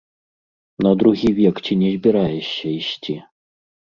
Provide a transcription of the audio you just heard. На другі век ці не збіраешся ісці?